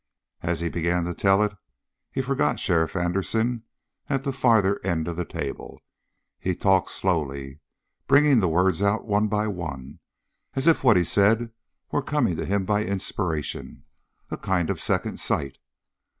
As he began to tell it, he forgot Sheriff Anderson at the farther end of the table. He talked slowly, bringing the words out one by one, as if what he said were coming to him by inspiration a kind of second sight.